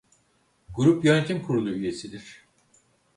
Grup Yönetim Kurulu Üyesidir.